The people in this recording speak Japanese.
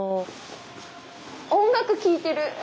音楽聴いてる！